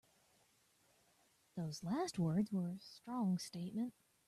Those last words were a strong statement.